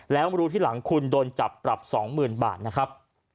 แล้วมารู้ที่หลังคุณโดนจับปรับ๒๐๐๐บาทนะครับ